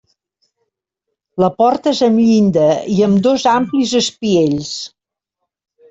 La porta és amb llinda i amb dos amplis espiells.